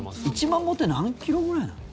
１万歩って何キロぐらいなの？